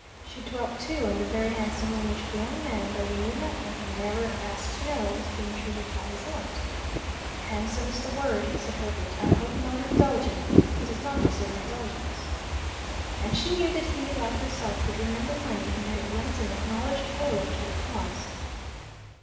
She dealt, too, on the very handsome way in which the young man, "though he knew nothing, had never asked to know," was being treated by his aunt. "'Handsome' is the word," said Herbert. "I hope not indulgently. He does not deserve indulgence." And she knew that he, like herself, could remember money, and that it lent an acknowledged halo to her cause.